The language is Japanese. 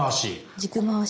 軸回し。